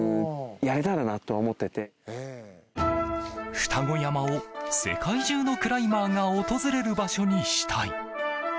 二子山を世界中のクライマーが訪れる場所にしたい。